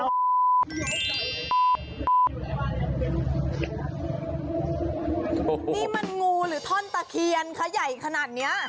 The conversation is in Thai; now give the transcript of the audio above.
นี่มันงูหรือท่อนตะเคียนคะใหญ่ขนาดนี้